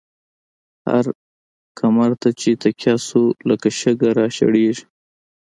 هر کمر ته چی تکيه شو، لکه شګه را شړيږی